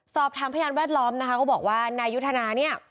พยานแวดล้อมนะคะก็บอกว่านายุทธนาเนี่ย